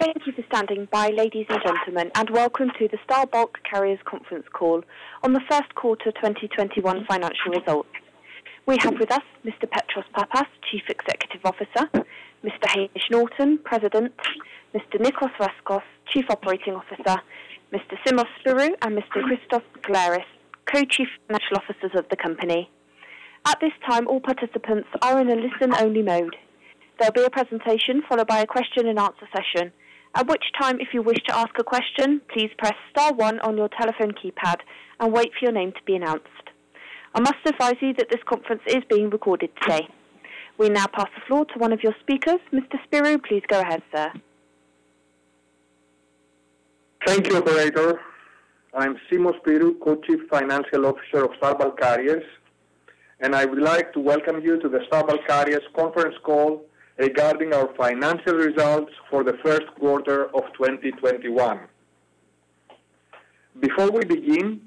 Thank you for standing by, ladies and gentlemen, and welcome to the Star Bulk Carriers conference call on the first quarter of 2021 financial results. We have with us Mr. Petros Pappas, Chief Executive Officer, Mr. Hamish Norton, President, Mr. Nicos Rescos, Chief Operating Officer, Mr. Simos Spyrou and Mr. Christos Begleris, Co-Chief Financial Officers of the company. At this time, all participants are in a listen-only mode. There will be a presentation followed by a question and answer session. At which time if you wish to ask a question, please press star one on your telephone keypad and wait for your name to be announced. I must advise you that this conference is being recorded today. We now pass the floor to one of your speakers. Mr. Spyrou, please go ahead, sir. Thank you, operator. I am Simos Spyrou, Co-Chief Financial Officer of Star Bulk Carriers, and I would like to welcome you to the Star Bulk Carriers conference call regarding our financial results for the first quarter of 2021. Before we begin,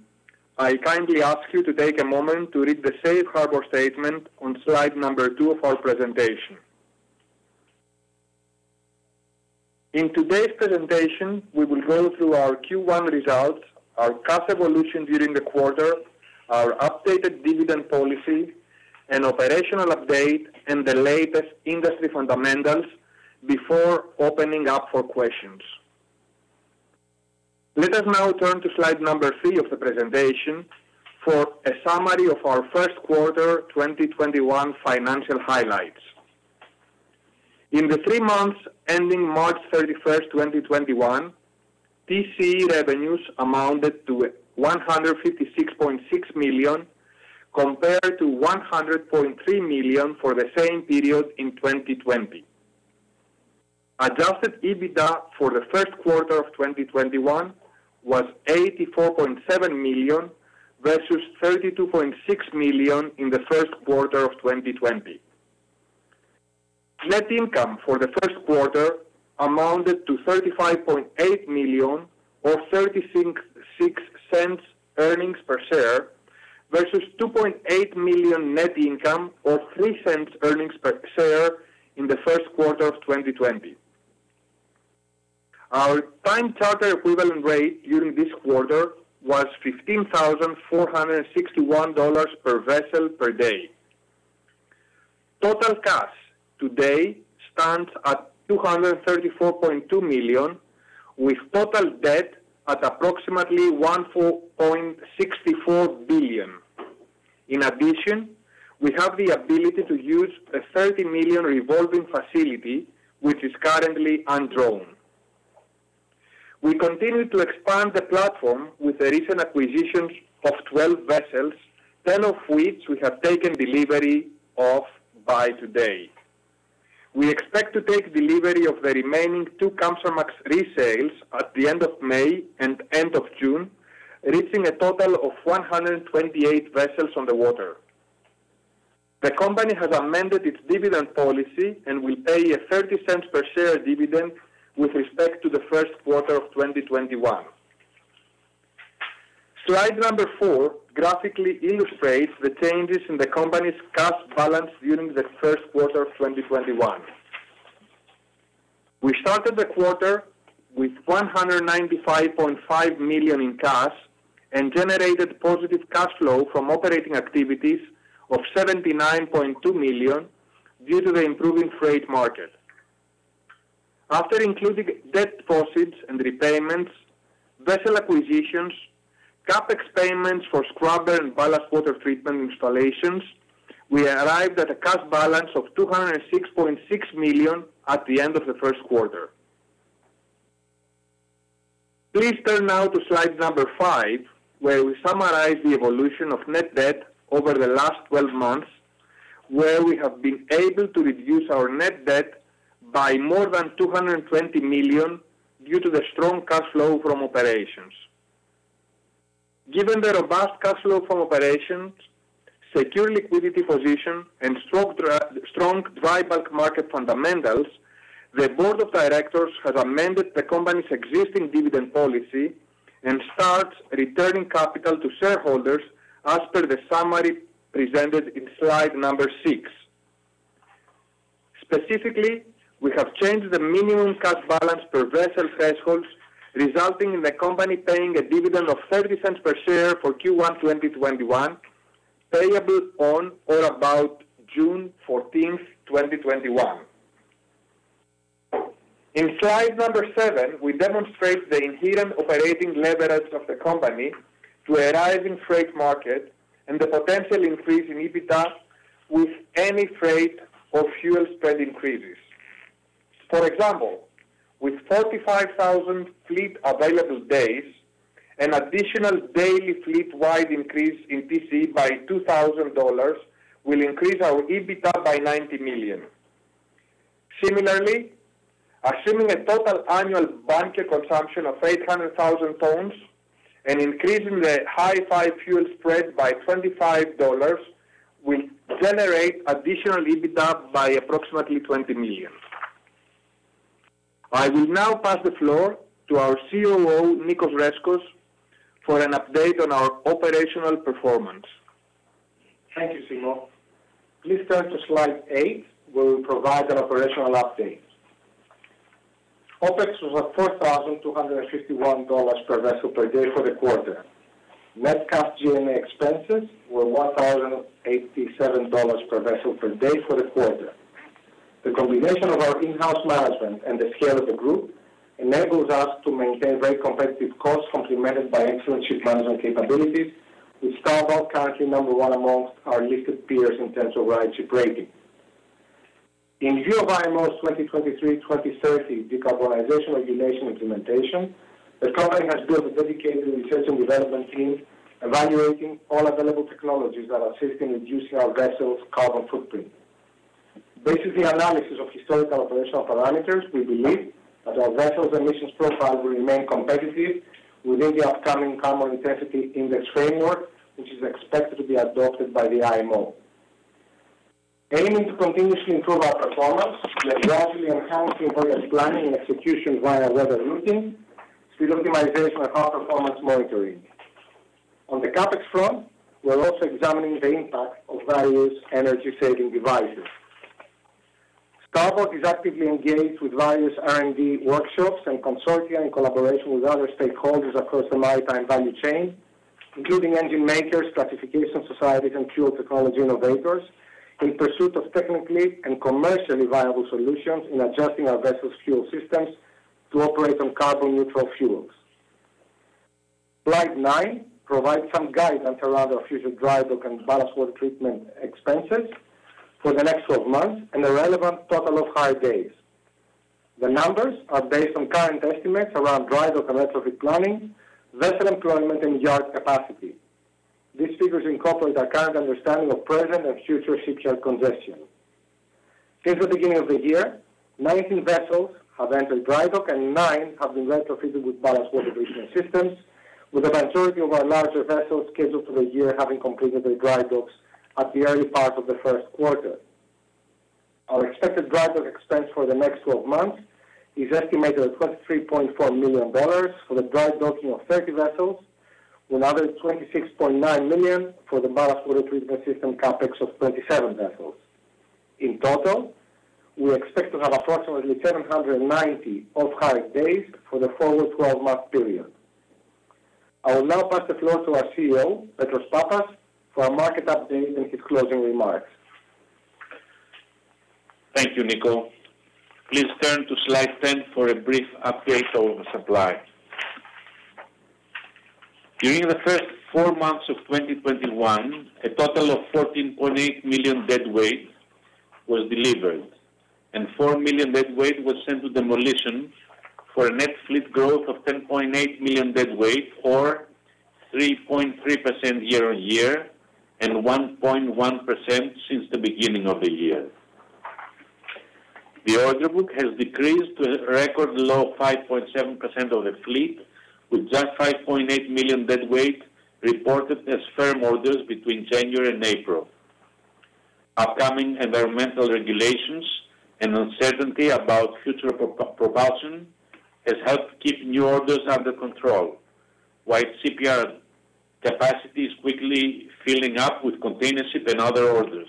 I kindly ask you to take a moment to read the safe harbor statement on slide number two of our presentation. In today's presentation, we will go through our Q1 results, our cash evolution during the quarter, our updated dividend policy and operational update, and the latest industry fundamentals before opening up for questions. Let us now turn to slide number three of the presentation for a summary of our first quarter 2021 financial highlights. In the three months ending March 31st, 2021, TCE revenues amounted to $156.6 million compared to $100.3 million for the same period in 2020. Adjusted EBITDA for the first quarter of 2021 was $84.7 million versus $32.6 million in the first quarter of 2020. Net income for the first quarter amounted to $35.8 million, or $0.36 earnings per share versus $2.8 million net income of $0.03 earnings per share in the first quarter of 2020. Our time charter equivalent rate during this quarter was $15,461 per vessel per day. Total cash today stands at $234.2 million, with total debt at approximately $1.64 billion. In addition, we have the ability to use a $30 million revolving facility, which is currently undrawn. We continue to expand the platform with the recent acquisitions of 12 vessels, 10 of which we have taken delivery of by today. We expect to take delivery of the remaining two Kamsarmax resales at the end of May and end of June, reaching a total of 128 vessels on the water. The company has amended its dividend policy and will pay a $0.30 per share dividend with respect to the first quarter of 2021. Slide number four graphically illustrates the changes in the company's cash balance during the first quarter of 2021. We started the quarter with $195.5 million in cash and generated positive cash flow from operating activities of $79.2 million due to the improving freight market. After including debt proceeds and repayments, vessel acquisitions, CapEx payments for scrubber and ballast water treatment installations, we arrived at a cash balance of $206.6 million at the end of the first quarter. Please turn now to slide number five, where we summarize the evolution of net debt over the last 12 months, where we have been able to reduce our net debt by more than $220 million due to the strong cash flow from operations. Given the robust cash flow from operations, secure liquidity position, and strong dry bulk market fundamentals, the board of directors has amended the company's existing dividend policy and starts returning capital to shareholders, as per the summary presented in slide number six. Specifically, we have changed the minimum cash balance per vessel thresholds, resulting in the company paying a dividend of $0.30 per share for Q1 2021, payable on or about June 14th, 2021. In slide number seven, we demonstrate the inherent operating leverage of the company to a rising freight market and the potential increase in EBITDA with any freight or fuel spread increases. For example, with 45,000 fleet available days, an additional daily fleet-wide increase in TCE by $2,000 will increase our EBITDA by $90 million. Similarly, assuming a total annual bunker consumption of 800,000 tons and increasing the high fuel spread by $25 will generate additional EBITDA by approximately $20 million. I will now pass the floor to our COO, Nicos Rescos, for an update on our operational performance. Thank you, Simos. Please turn to slide eight, where we provide an operational update. OpEx was at $4,251 per vessel per day for the quarter. Net cash G&A expenses were $1,087 per vessel per day for the quarter. The combination of our in-house management and the scale of the Group enables us to maintain very competitive costs complemented by excellent shiprunning capabilities, with Star Bulk currently number one amongst our listed peers in terms of voyage rating. In view of IMO's 2023/2030 decarbonization regulation implementation, the company has built a dedicated research and development team evaluating all available technologies that are assisting in reducing our vessels' carbon footprint. Based on the analysis of historical operational parameters, we believe that our vessels' emissions profile will remain competitive within the upcoming Carbon Intensity Indicator framework, which is expected to be adopted by the IMO. Aiming to continuously improve our performance, we are constantly enhancing voyage planning and execution via weather routing, speed optimization, and performance monitoring. On the CapEx front, we are also examining the impact of various energy-saving devices. Star Bulk is actively engaged with various R&D workshops and consortia in collaboration with other stakeholders across the maritime value chain, including engine makers, classification societies, and fuel technology innovators, in pursuit of technically and commercially viable solutions in adjusting our vessels' fuel systems to operate on carbon neutral fuels. Slide nine provides some guidance around our future drydock and ballast water treatment expenses for the next 12 months and the relevant total of hire days. The numbers are based on current estimates around drydock and retrofit planning, vessel deployment, and yard capacity. These figures incorporate our current understanding of present and future shipyard congestion. Since the beginning of the year, 19 vessels have entered drydock, and nine have been retrofitted with ballast water treatment systems with the majority of our larger vessels scheduled for the year having completed their drydocks at the early part of the first quarter. Our expected drydock expense for the next 12 months is estimated at $23.4 million for the drydocking of 30 vessels and $126.9 million for the ballast water treatment system CapEx of 27 vessels. In total, we expect to have approximately 790 of hire days for the forward 12 month period. I will now pass the floor to our CEO, Petros Pappas, for a market update and his closing remarks. Thank you, Nicos. Please turn to slide 10 for a brief update of supply. During the first four months of 2021, a total of 14.8 million deadweight was delivered, and 4 million deadweight was sent to demolition for a net fleet growth of 10.8 million deadweight or 3.3% year-on-year and 1.1% since the beginning of the year. The order book has decreased to a record low 5.7% of the fleet, with just 5.8 million deadweight reported as firm orders between January and April. Upcoming environmental regulations and uncertainty about future propulsion has helped keep new orders under control, while shipyard capacity is quickly filling up with containership and other orders.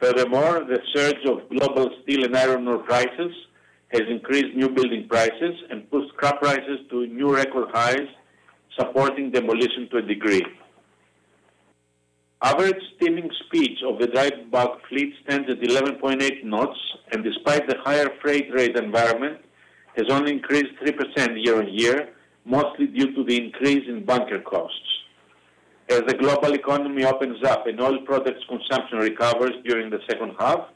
Furthermore, the surge of global steel and iron ore prices has increased newbuilding prices and pushed scrap prices to new record highs, supporting demolition to a degree. Average steaming speed of the dry bulk fleet stands at 11.8 knots and despite the higher freight rate environment, has only increased 3% year-on-year, mostly due to the increase in bunker costs. As the global economy opens up and oil products consumption recovers during the second half,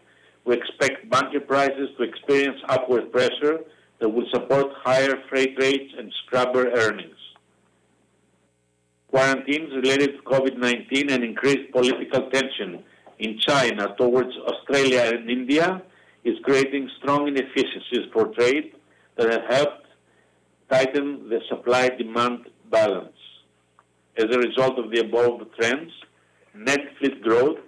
we expect bunker prices to experience upward pressure that will support higher freight rates and scrubber earnings. Quarantines related to COVID-19 and increased political tension in China towards Australia and India is creating strong inefficiencies for trade that have helped tighten the supply-demand balance. As a result of the above trends, net fleet growth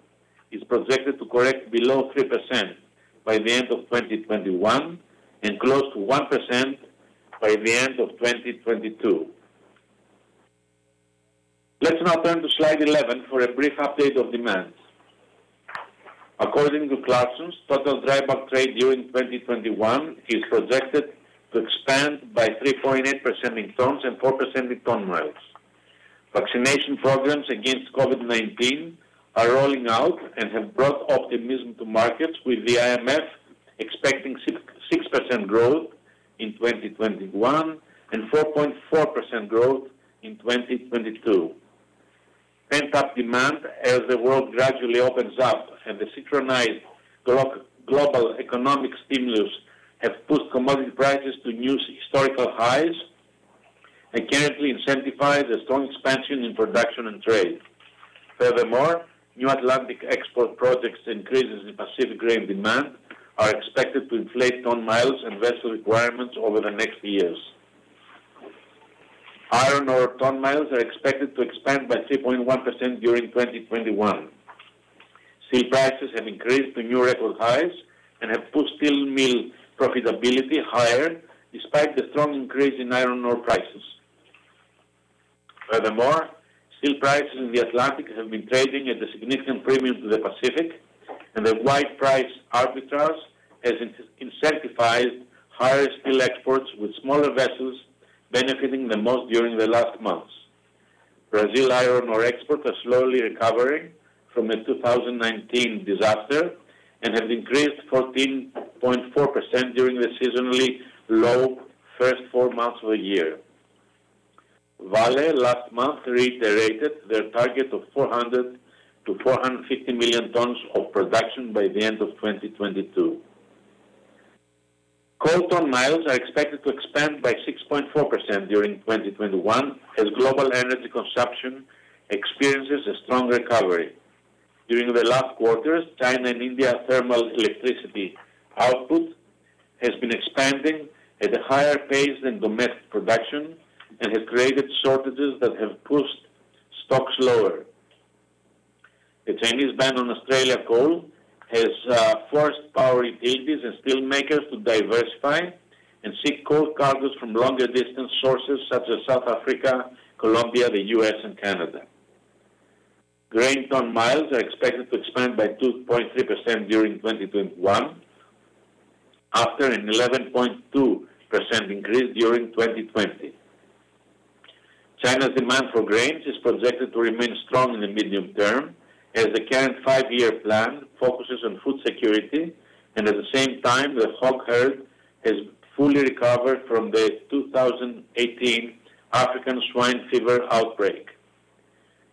is projected to correct below 3% by the end of 2021 and close to 1% by the end of 2022. Let's now turn to slide 11 for a brief update of demand. According to Clarksons, total dry bulk trade during 2021 is projected to expand by 3.8% in tons and 4% in ton-miles. Vaccination programs against COVID-19 are rolling out and have brought optimism to markets with the IMF expecting 6% growth in 2021 and 4.4% growth in 2022. Pent-up demand as the world gradually opens up and the synchronized global economic stimulus have pushed commodity prices to new historical highs and currently incentivize a strong expansion in production and trade. New Atlantic export projects increases in Pacific grain demand are expected to inflate ton-miles and vessel requirements over the next years. Iron ore ton-miles are expected to expand by 3.1% during 2021. Steel prices have increased to new record highs and have pushed steel mill profitability higher despite the strong increase in iron ore prices. Furthermore, steel prices in the Atlantic have been trading at a significant premium to the Pacific, and the wide price arbitrage has incentivized higher steel exports, with smaller vessels benefiting the most during the last months. Brazil iron ore exports are slowly recovering from the 2019 disaster and have increased 14.4% during the seasonally low first four months of the year. Vale last month reiterated their target of 400 million tons-450 million tons of production by the end of 2022. Coal ton-miles are expected to expand by 6.4% during 2021 as global energy consumption experiences a strong recovery. During the last quarters, China and India thermal electricity output has been expanding at a higher pace than domestic production and has created shortages that have pushed stocks lower. The Chinese ban on Australia coal has forced power utilities and steel makers to diversify and seek coal cargoes from longer distance sources such as South Africa, Colombia, the U.S., and Canada. Grain ton-miles are expected to expand by 2.3% during 2021 after an 11.2% increase during 2020. China's demand for grains is projected to remain strong in the medium term as the current five year plan focuses on food security and at the same time the hog herd has fully recovered from the 2018 African swine fever outbreak.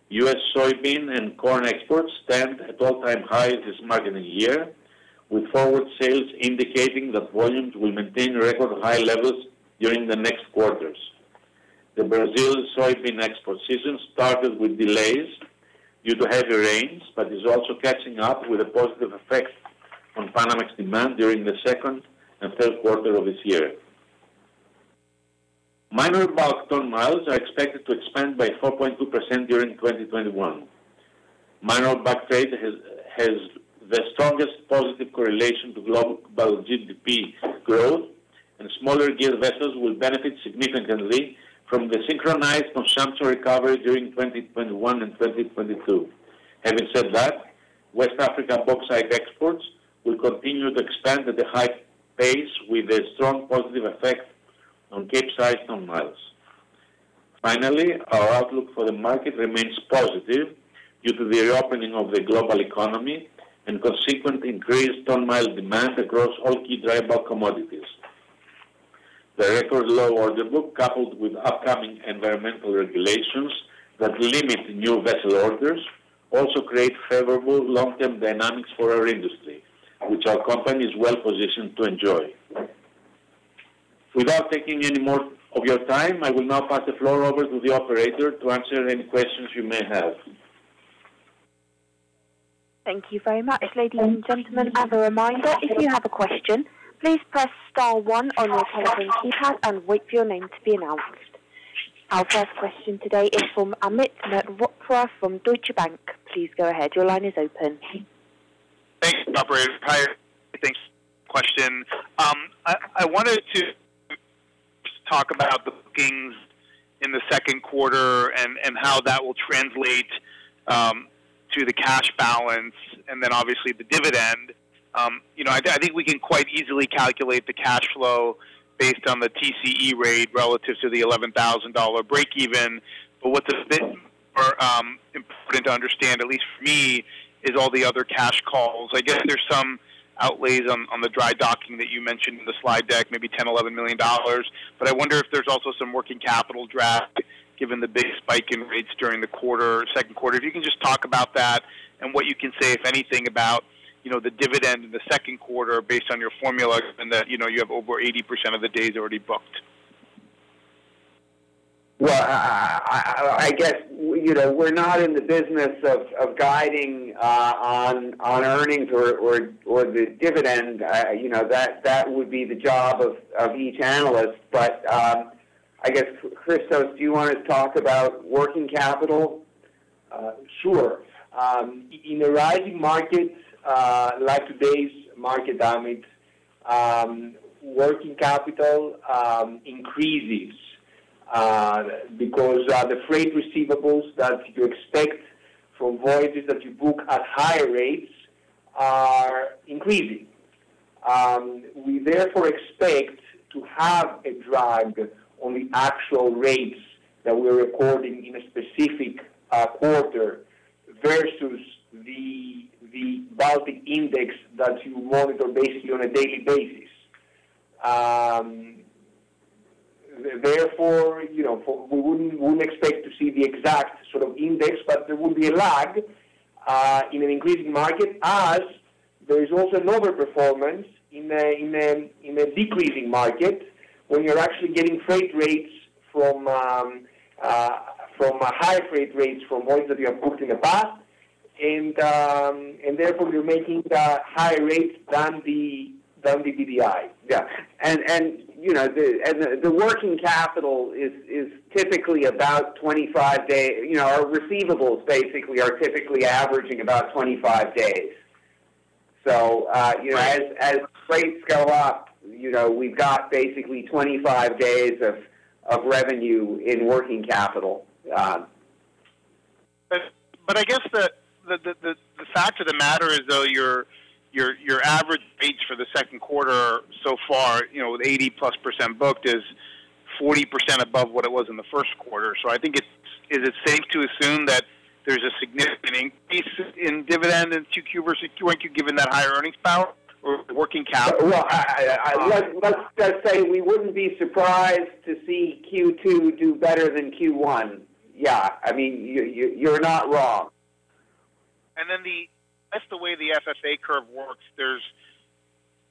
U.S. soybean and corn exports stand at all-time highs this marketing year, with forward sales indicating that volumes will maintain record high levels during the next quarters. The Brazilian soybean export season started with delays due to heavy rains, is also catching up with a positive effect on Panamax demand during the second and third quarter of this year. Minor bulk ton-miles are expected to expand by 4.2% during 2021. Minor bulk trade has the strongest positive correlation to global GDP growth, smaller gear vessels will benefit significantly from the synchronized consumption recovery during 2021 and 2022. Having said that, West African bauxite exports will continue to expand at a high pace with a strong positive effect on Capesize ton-miles. Our outlook for the market remains positive due to the reopening of the global economy and consequent increased ton-mile demand across all key dry bulk commodities. The record low order book, coupled with upcoming environmental regulations that limit new vessel orders, also create favorable long-term dynamics for our industry, which our company is well-positioned to enjoy. Without taking any more of your time, I will now pass the floor over to the operator to answer any questions you may have. Thank you very much. Ladies and gentlemen, as a reminder, if you have a question, please press star one on your telephone keypad and wait for your name to be announced. Our first question today is from Amit Mehrotra from Deutsche Bank. Thanks, operators. Thanks. Question. I wanted to talk about the bookings in the second quarter and how that will translate to the cash balance and obviously the dividend. I think we can quite easily calculate the cash flow based on the TCE rate relative to the $11,000 breakeven. What's important to understand, at least for me, is all the other cash calls. I guess there's some outlays on the dry docking that you mentioned in the slide deck, maybe $10 million or $11 million. I wonder if there's also some working capital drag given the big spike in rates during the second quarter. If you can just talk about that and what you can say, if anything, about the dividend in the second quarter based on your formula, other than that you have over 80% of the days already booked. Well, I guess we're not in the business of guiding on earnings or the dividend. That would be the job of each analyst. I guess, Christos, do you want to talk about working capital? Sure. In a rising market like today's market, Amit, working capital increases because the freight receivables that you expect from voyages that you book at higher rates are increasing. We therefore expect to have a drag on the actual rates that we're recording in a specific quarter versus the Baltic index that you monitor basically on a daily basis. We wouldn't expect to see the exact index, but there will be a lag in an increasing market as there is also an overperformance in a decreasing market when you're actually getting higher freight rates from voyages you have booked in the past, and therefore you're making higher rates than the BDI. Yeah. The working capital is typically about 25 days. Our receivables basically are typically averaging about 25 days. As rates go up, we've got basically 25 days of revenue in working capital. I guess the fact of the matter is, though, your average rates for the second quarter so far, with 80%+ booked, is 40% above what it was in the first quarter. I think is it safe to assume that there's a significant increase in dividend in 2Q versus Q1 given that higher earnings power or working capital? Well, let's just say we wouldn't be surprised to see Q2 do better than Q1. Yeah. You're not wrong. That's the way the FFA curve works.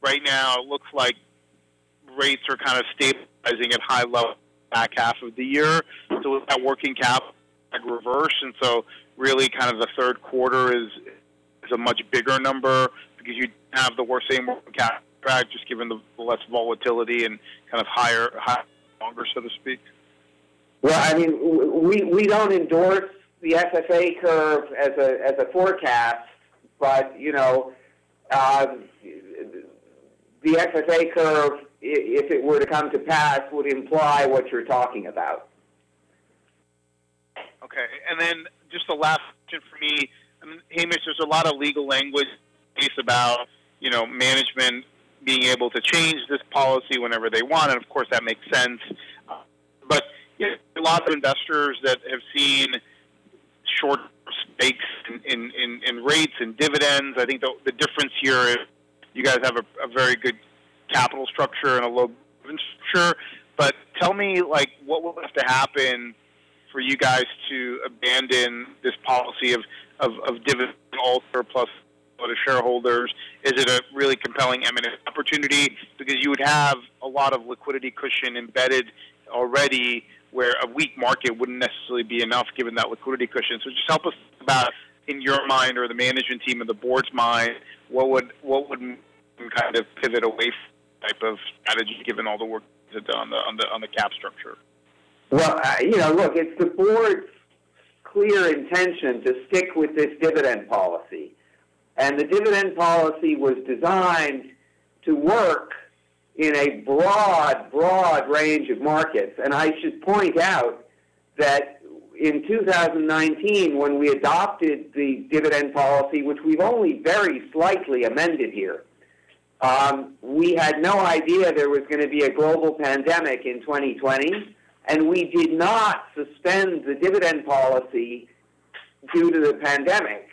Right now it looks like rates are kind of stabilizing at high levels for the back half of the year. It looks like working capital is kind of reverse, really the third quarter is a much bigger number because you have the working capital drag just given the less volatility and kind of higher, longer, so to speak. Well, we don't endorse the FFA curve as a forecast, but the FFA curve, if it were to come to pass, would imply what you're talking about. Okay, just the last two for me. Hamish, there's a lot of legal language in the release about management being able to change this policy whenever they want. Of course, that makes sense. There's a lot of investors that have seen short-term spikes in rates and dividends. I think the difference here is you guys have a very good capital structure and a low balance sheet. Tell me what would have to happen for you guys to abandon this policy of dividend all surplus to shareholders. Is it a really compelling, imminent opportunity? Because you would have a lot of liquidity cushion embedded already where a weak market wouldn't necessarily be enough given that liquidity cushion. Just help us think about, in your mind or the management team or the board's mind, what would kind of pivot away from that type of strategy given all the work that's done on the cap structure? Well, look, it's the board's clear intention to stick with this dividend policy, the dividend policy was designed to work in a broad range of markets. I should point out that in 2019, when we adopted the dividend policy, which we've only very slightly amended here, we had no idea there was going to be a global pandemic in 2020, and we did not suspend the dividend policy due to the pandemic.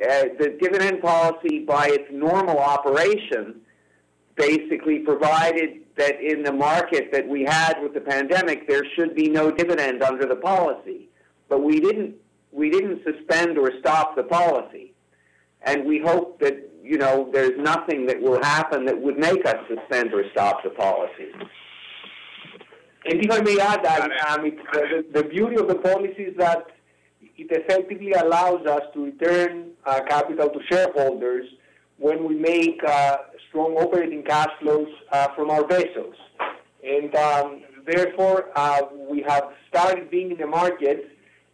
The dividend policy, by its normal operation, basically provided that in the market that we had with the pandemic, there should be no dividend under the policy. We didn't suspend or stop the policy. We hope that there's nothing that will happen that would make us suspend or stop the policy. If I may add that, Amit, the beauty of the policy is that it effectively allows us to return capital to shareholders when we make strong operating cash flows from our vessels. Therefore, we have started being in the market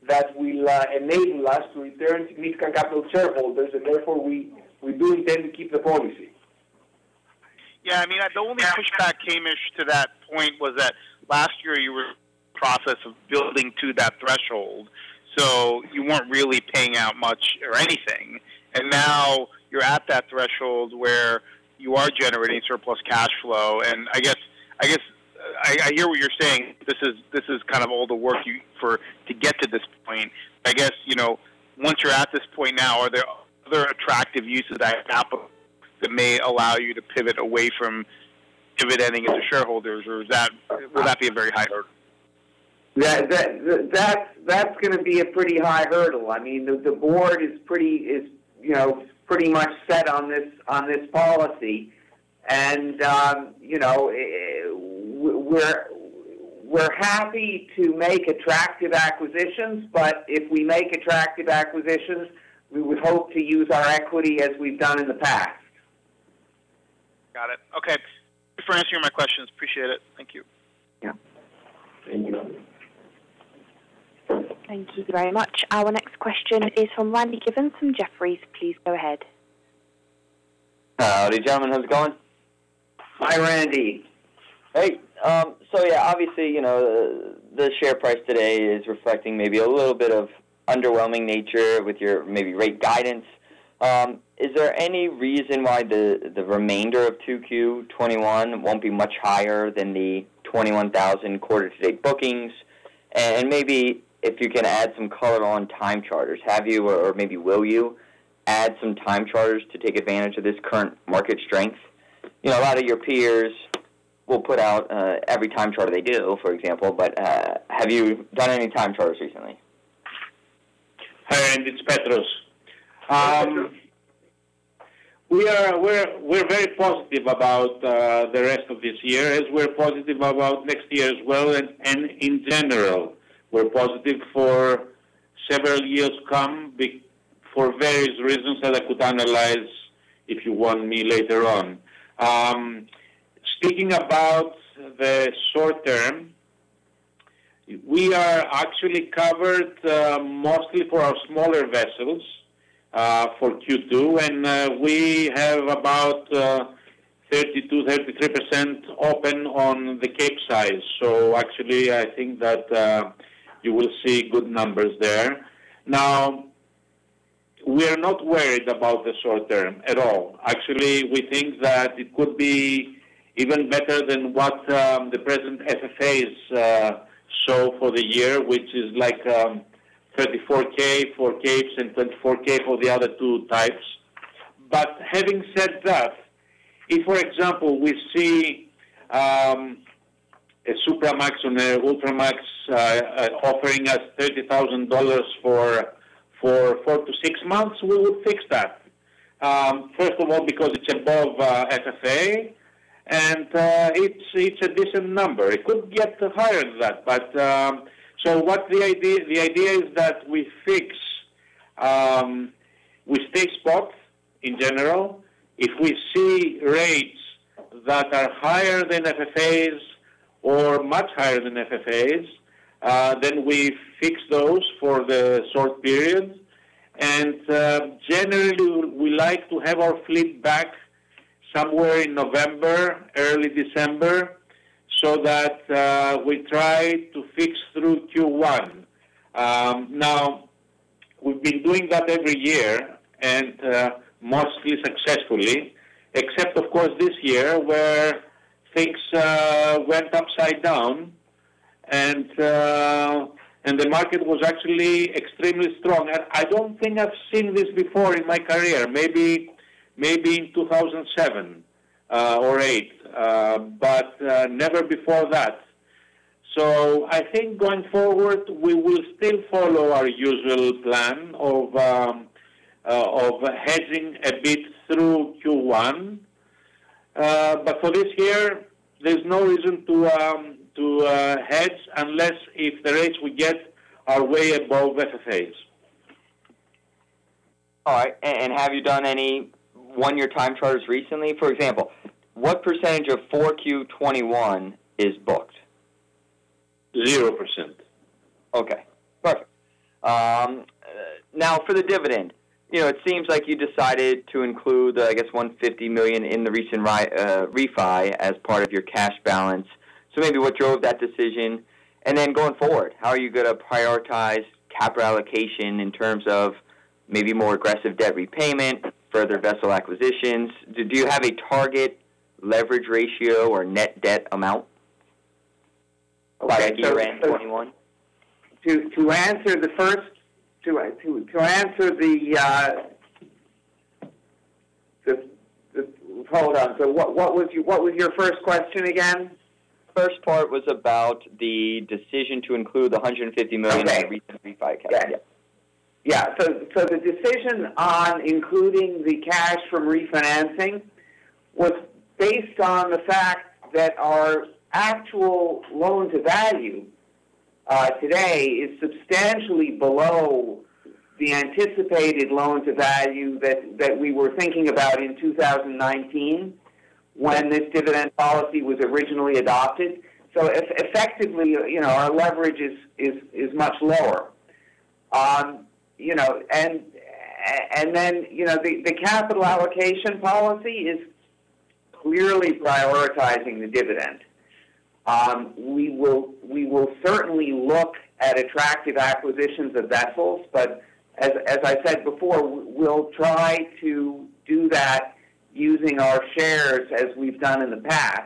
that will enable us to return significant capital to shareholders, and therefore we do intend to keep the policy. Yeah. The only catch, Hamish, to that point was that last year you were in the process of building to that threshold, so you weren't really paying out much or anything. Now you're at that threshold where you are generating surplus cash flow. I guess I hear what you're saying. This is all the work for to get to this point. I guess, once you're at this point now, are there other attractive uses of that capital that may allow you to pivot away from dividending it to shareholders, or is that going to be a very high hurdle? That's going to be a pretty high hurdle. The board is pretty much set on this policy. We're happy to make attractive acquisitions, but if we make attractive acquisitions, we would hope to use our equity as we've done in the past. Got it. Okay. Thanks for answering my questions. Appreciate it. Thank you. Yeah. Thank you. Thank you very much. Our next question is from Randy Giveans from Jefferies. Please go ahead. Howdy, gentlemen. How's it going? Hi, Randy. Great. Yeah, obviously, the share price today is reflecting maybe a little bit of underwhelming nature with your maybe rate guidance. Is there any reason why the remainder of Q2 2021 won't be much higher than the $21,000 quarter-to-date bookings? Maybe if you can add some color on time charters. Have you or maybe will you add some time charters to take advantage of this current market strength? A lot of your peers will put out every time charter they do for example, have you done any time charters recently? Hi, Randy. It's Petros. We're very positive about the rest of this year, as we're positive about next year as well. In general, we're positive for several years come for various reasons that I could analyze if you want me later on. Speaking about the short term. We are actually covered mostly for our smaller vessels for Q2, and we have about 32%, 33% open on the Capesize. Actually, I think that you will see good numbers there. Now, we are not worried about the short term at all. Actually, we think that it could be even better than what the present FFAs show for the year, which is like $34K for Capesize and $24K for the other two types. Having said that, if, for example, we see a Supramax and an Ultramax offering us $30,000 for four to six months, we will fix that. First of all, because it's above FFA, and it's a decent number. It could get higher than that. The idea is that we stay spot, in general. If we see rates that are higher than FFAs or much higher than FFAs, then we fix those for the short period. Generally, we like to have our fleet back somewhere in November, early December, so that we try to fix through Q1. We've been doing that every year and mostly successfully, except, of course, this year, where things went upside down and the market was actually extremely strong. I don't think I've seen this before in my career, maybe in 2007 or 2008, but never before that. I think going forward, we will still follow our usual plan of hedging a bit through Q1. For this year, there's no reason to hedge unless if the rates we get are way above FFAs. All right. Have you done any one year time charters recently? For example, what percentage of 4Q 2021 is booked? 0%. Okay, perfect. For the dividend, it seems like you decided to include, I guess, $150 million in the recent refi as part of your cash balance. Maybe what drove that decision? Going forward, how are you going to prioritize capital allocation in terms of maybe more aggressive debt repayment, further vessel acquisitions? Do you have a target leverage ratio or net debt amount for Q1 2021? Just hold on. What was your first question again? First part was about the decision to include the $150 million in the refi cash. The decision on including the cash from refinancing was based on the fact that our actual loan-to-value today is substantially below the anticipated loan-to-value that we were thinking about in 2019 when this dividend policy was originally adopted. Effectively, our leverage is much lower. The capital allocation policy is clearly prioritizing the dividend. We will certainly look at attractive acquisitions of vessels, but as I said before, we'll try to do that using our shares as we've done in the past.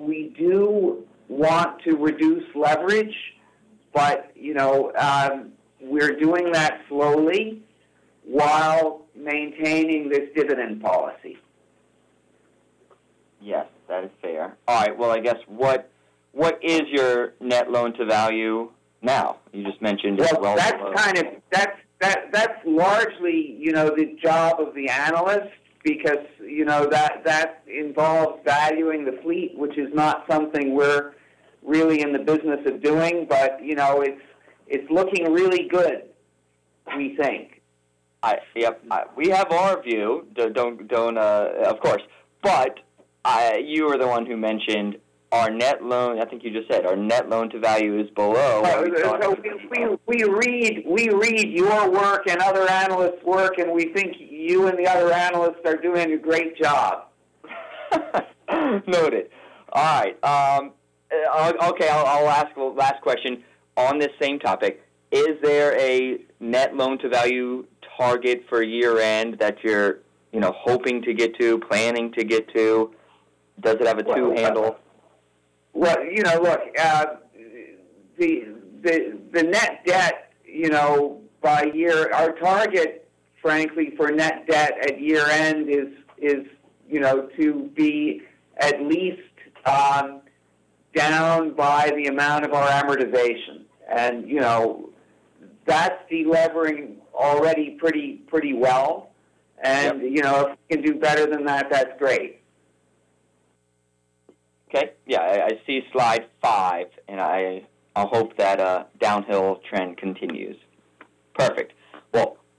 We do want to reduce leverage, but we're doing that slowly while maintaining this dividend policy. Yes, that is fair. All right. Well, I guess, what is your net loan-to-value now? That's largely the job of the analyst because that involves valuing the fleet, which is not something we're really in the business of doing. It's looking really good, we think. Yep. You were the one who mentioned our net loan, I think you just said our net loan to value is below. We read your work and other analysts' work. We think you and the other analysts are doing a great job. Noted. All right. Okay, I'll ask the last question. On this same topic, is there a net loan-to-value target for year-end that you're hoping to get to, planning to get to? Does it have a two handle? Well, look, the net debt by year, our target, frankly, for net debt at year-end is to be at least down by the amount of our amortization. That's de-levering already pretty well. If we can do better than that's great. Okay. Yeah, I see slide five. I hope that downhill trend continues. Perfect.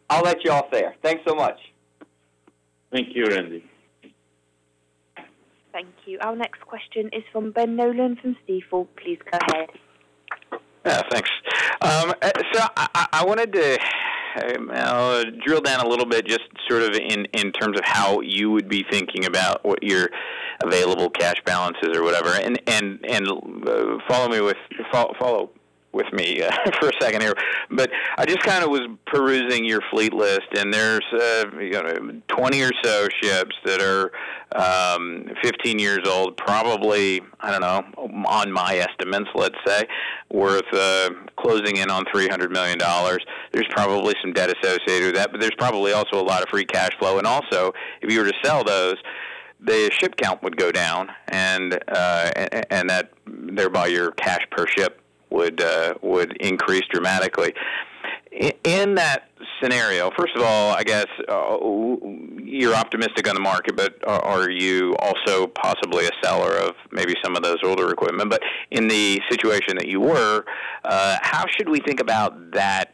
I'll let you off there. Thanks so much. Thank you, Randy. Thank you. Our next question is from Ben Nolan from Stifel. Please go ahead. Yeah, thanks. I wanted to drill down a little bit, just in terms of how you would be thinking about what your available cash balance is or whatever, and follow with me for a second here. I just was perusing your fleet list, and there's 20 or so ships that are 15 years old, probably, I don't know, on my estimates, let's say, worth closing in on $300 million. There's probably some debt associated with that, but there's probably also a lot of free cash flow. If you were to sell those, the ship count would go down, and thereby your cash per ship would increase dramatically. In that scenario, first of all, I guess, you're optimistic on the market, but are you also possibly a seller of maybe some of those older equipment? In the situation that you were, how should we think about that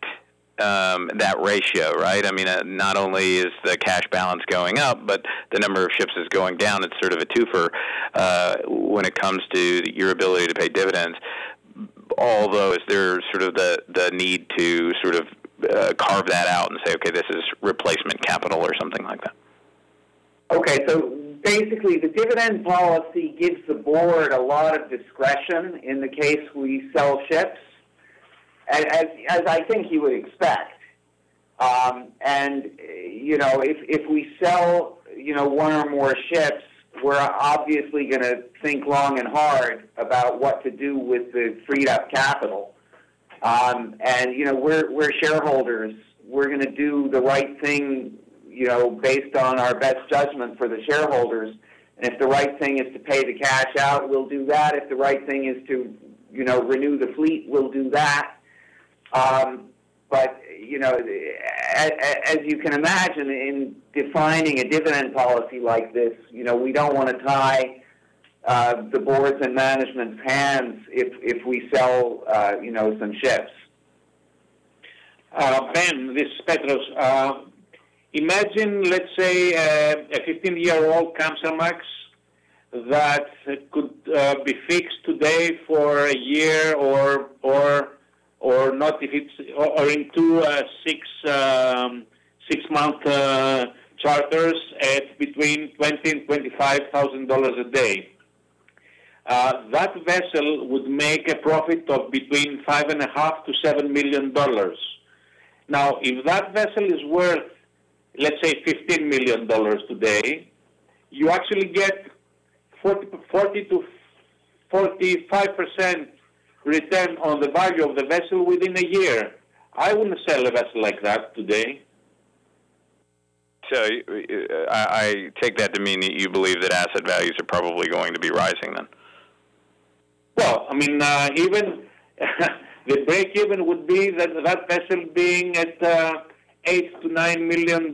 ratio, right? Not only is the cash balance going up, but the number of ships is going down. It's sort of a two-fer when it comes to your ability to pay dividends. Is there the need to carve that out and say, "Okay, this is replacement capital," or something like that? Okay. Basically, the dividend policy gives the board a lot of discretion in the case we sell ships, as I think you would expect. If we sell one or more ships, we're obviously going to think long and hard about what to do with the freed-up capital. We're shareholders. We're going to do the right thing based on our best judgment for the shareholders. If the right thing is to pay the cash out, we'll do that. If the right thing is to renew the fleet, we'll do that. As you can imagine, in defining a dividend policy like this, we don't want to tie the board's and management's hands if we sell some ships. Ben, this is Petros. Imagine, let's say, a 15 year-old Capesize that could be fixed today for a year or into six month charters at between $20,000 and $25,000 a day. That vessel would make a profit of between $5.5 million-$7 million. Now, if that vessel is worth, let's say, $15 million today, you actually get 40%-45% return on the value of the vessel within a year. I wouldn't sell a vessel like that today. I take that to mean that you believe that asset values are probably going to be rising then. Well, the breakeven would be that vessel being at $8 million-$9 million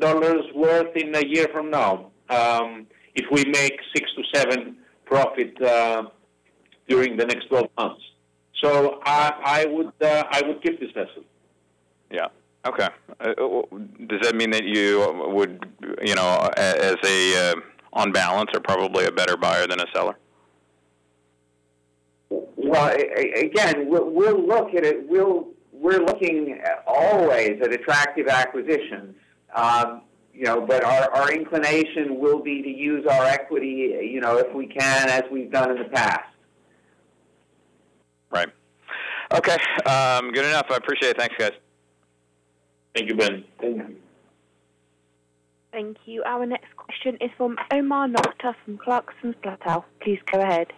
worth in a year from now, if we make six to seven profit during the next 12 months. I would keep this vessel. Yeah. Okay, does that mean that you would, on balance, are probably a better buyer than a seller? Well, again, we're looking always at attractive acquisitions. Our inclination will be to use our equity if we can, as we've done in the past. Right. Okay. Good enough. I appreciate it. Thanks, guys. Thank you, Ben. Thank you. Our next question is from Omar Nokta from Clarksons Platou. Please go ahead.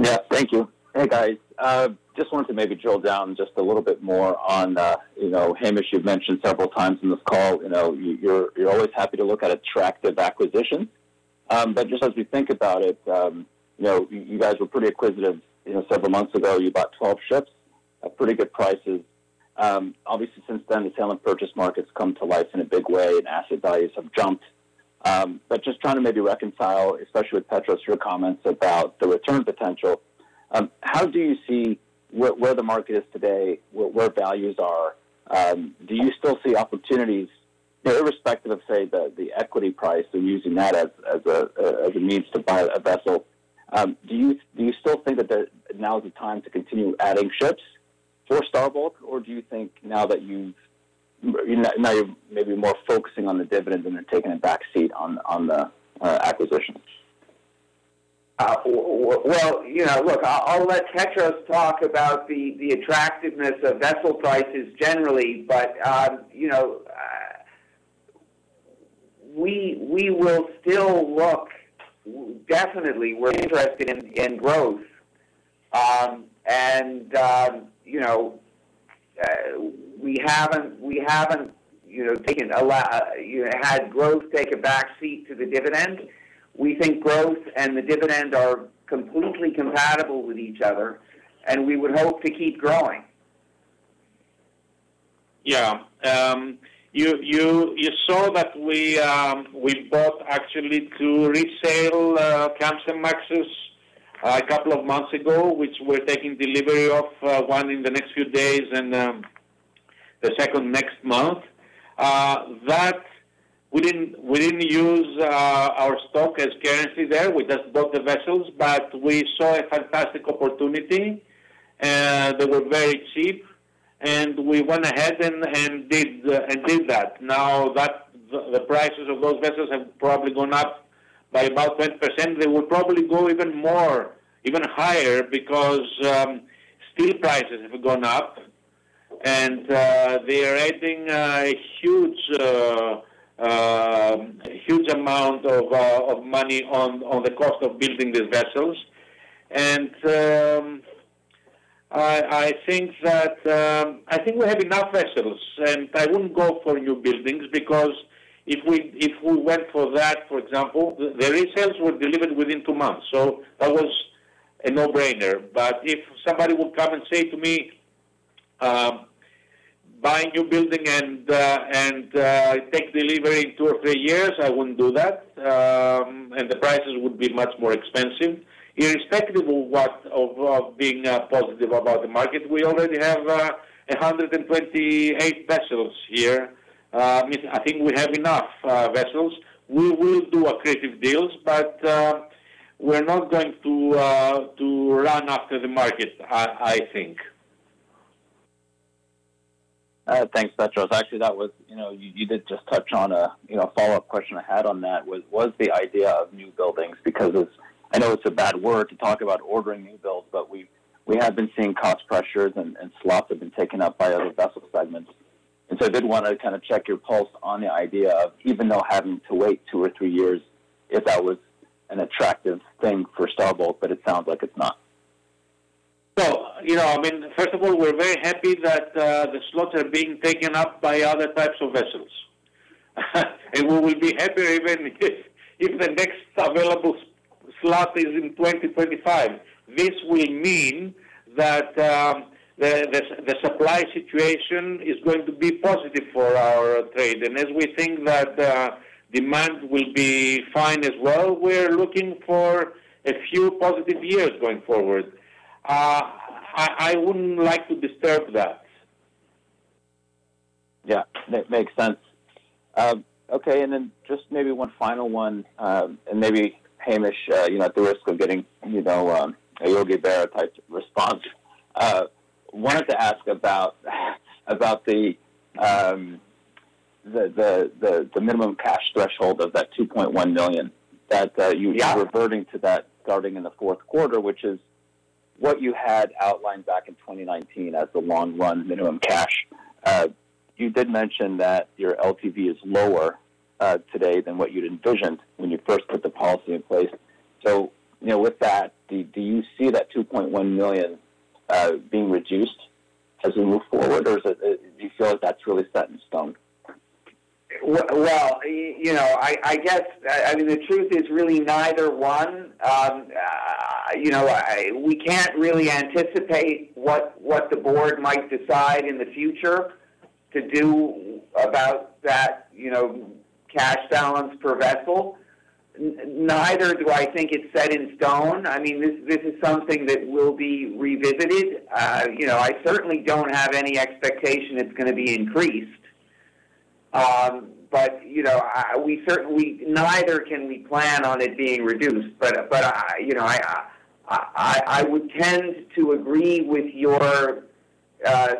Yeah, thank you. Hey, guys. Just wanted to maybe drill down just a little bit more on, Hamish, you've mentioned several times in this call, you're always happy to look at attractive acquisitions. Just as we think about it, you guys were pretty acquisitive several months ago. You bought 12 ships at pretty good prices. Obviously, since then, the sale and purchase market's come to life in a big way and asset values have jumped. Just trying to maybe reconcile, especially with Petros, your comments about the return potential. How do you see where the market is today, where values are? Do you still see opportunities, irrespective of, say, the equity price and using that as a means to buy a vessel? Do you still think that now is the time to continue adding ships for Star Bulk? Do you think now that you may be more focusing on the dividend and taking a backseat on the acquisitions? Look, I'll let Petros talk about the attractiveness of vessel prices generally. We will still look. Definitely, we're interested in growth. We haven't had growth take a backseat to the dividend. We think growth and the dividend are completely compatible with each other, and we would hope to keep growing. You saw that we bought actually two resale Capesizes a couple of months ago, which we're taking delivery of one in the next few days and the second next month. We didn't use our stock as currency there. We just bought the vessels. We saw a fantastic opportunity. They were very cheap. We went ahead and did that. The prices of those vessels have probably gone up by about 20%. They will probably go even more, even higher, because steel prices have gone up and they are adding a huge amount of money on the cost of building these vessels. I think we have enough vessels, and I wouldn't go for newbuilding because if we went for that, for example, the resales were delivered within two months. That was a no-brainer. If somebody would come and say to me, "Buy a newbuilding and take delivery in two or three years," I wouldn't do that, and the prices would be much more expensive. Irrespective of being positive about the market, we already have 128 vessels here. I think we have enough vessels. We will do accretive deals, but we're not going to run after the market, I think. Thanks, Petros. Actually, you did just touch on a follow-up question I had on that, was the idea of newbuildings, because I know it's a bad word. You talked about ordering newbuildings, but we have been seeing cost pressures and slots have been taken up by other vessel segments. I did want to kind of check your pulse on the idea of even though having to wait two or three years, if that was an attractive thing for Star Bulk, but it sounds like it's not. Well, first of all, we're very happy that the slots are being taken up by other types of vessels. We will be happier even if the next available slot is in 2025. This will mean that the supply situation is going to be positive for our trade. As we think that demand will be fine as well, we are looking for a few positive years going forward. I wouldn't like to disturb that. Yeah, makes sense. Okay, just maybe one final one, and maybe, Hamish, at the risk of getting a "You'll be there" type response. Wanted to ask about the minimum cash threshold of that $2.1 million that you're reverting to that starting in the fourth quarter, which is what you had outlined back in 2019 as the long-run minimum cash. You did mention that your LTV is lower today than what you'd envisioned when you first put the policy in place. With that, do you see that $2.1 million being reduced as we move forward, or do you feel like that's really set in stone? Well, I guess, the truth is really neither one. We can't really anticipate what the board might decide in the future to do about that cash balance per vessel. Neither do I think it's set in stone. This is something that will be revisited. I certainly don't have any expectation it's going to be increased. Neither can we plan on it being reduced. I would tend to agree with your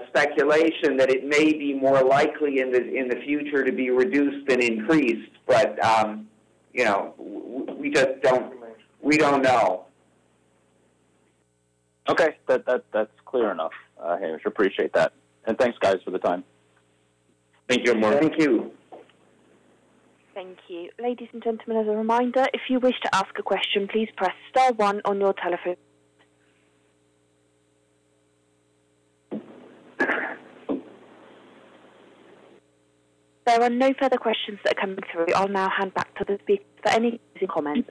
speculation that it may be more likely in the future to be reduced than increased. We just don't know. Okay. That's clear enough, Hamish. Appreciate that. Thanks, guys, for the time. Thank you. Thank you. Thank you. There are no further questions at this time. I'll now hand back to the speaker for any closing comments.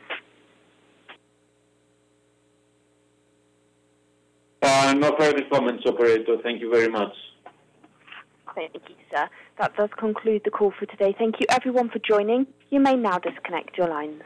No further comments, operator. Thank you very much. Thank you, sir. That does conclude the call for today. Thank you everyone for joining. You may now disconnect your lines.